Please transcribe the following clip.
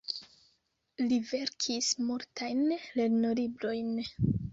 Li verkis multajn lernolibrojn.